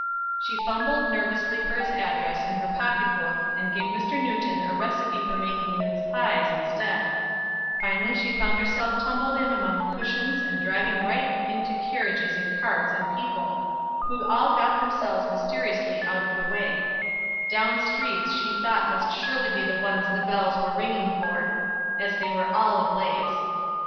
She fumbled nervously for his address in her pocket book, and gave Mr. Newton a recipe for making mince pies instead; finally she found herself tumbled in among cushions and driving right into carriages and carts and people, who all got themselves mysteriously out of the way; down streets that she thought must surely be the ones that the bells were ringing for, as they were all ablaze.